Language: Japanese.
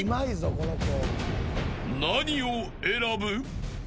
［何を選ぶ？］